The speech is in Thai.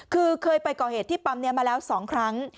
คือเคยไปก่อเหตุที่ปั๊มนี้มาแล้ว๒ครั้ง